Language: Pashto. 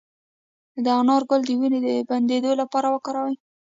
د انار ګل د وینې د بندیدو لپاره وکاروئ